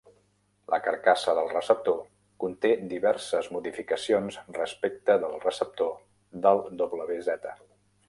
La carcassa del receptor conté diverses modificacions respecte del receptor del wz.